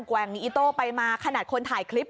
แกว่งอีโต๊ะไปมาขนาดคนถ่ายคลิป